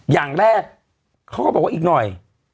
อย่างแรกเขาก็บอกว่าอีกหน่อย